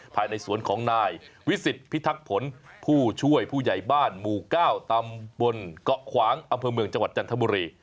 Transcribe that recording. ภายในสวนของนายวิสิตพิทักษ์ผลผู้ช่วยผู้ใหญ่บ้านหมู่๙ตำบลเกาะขวางอำเภอเมืองจังหวัดจันทบุรี